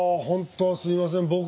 本当すいません。